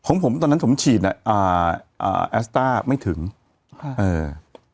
ของผมตอนนั้นผมฉีดอ่ะอ่าอ่าแอสต้าไม่ถึงค่ะเอ่อ